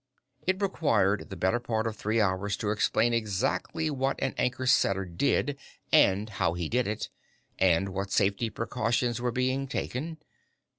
It required the better part of three hours to explain exactly what an anchor setter did and how he did it and what safety precautions were being taken.